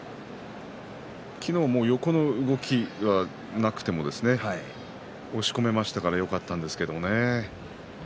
昨日は横の動きがなくても押し込まれたからよかったんですけどね。